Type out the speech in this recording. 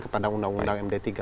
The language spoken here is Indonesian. kepada undang undang md tiga